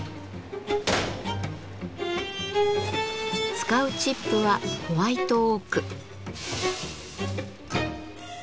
使うチップはホワイトオーク。